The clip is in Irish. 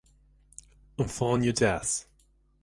An fáinne deas